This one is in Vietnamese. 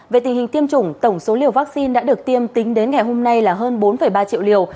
về tình hình tiêm chủng tổng số liều vaccine đã được tiêm tính đến ngày hôm nay là hơn bốn ba triệu liều